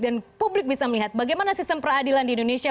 dan publik bisa melihat bagaimana sistem peradilan di indonesia